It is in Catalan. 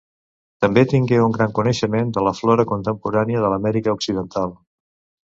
També tingué un gran coneixement de la flora contemporània de l'Amèrica occidental.